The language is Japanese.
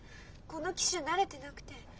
この機種慣れてなくて。